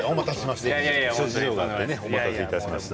お待たせしました。